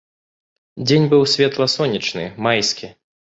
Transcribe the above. Дзень быў светла-сонечны, майскі.